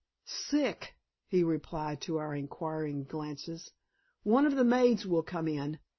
"Sick," he replied to our inquiring glances. "One of the maids will come in.